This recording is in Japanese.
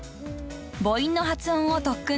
［母音の発音を特訓中です］